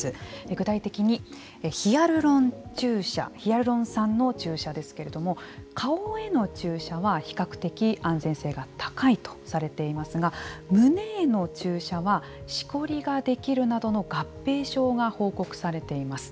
具体的に、ヒアルロン注射ヒアルロン酸の注射ですけれども顔への注射は、比較的安全性が高いとされていますが胸への注射はしこりができるなどの合併症が報告されています。